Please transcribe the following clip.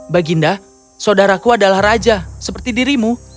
baginda saudaraku adalah raja seperti dirimu